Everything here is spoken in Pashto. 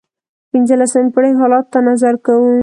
پنځلسمې پېړۍ حالاتو ته نظر کوو.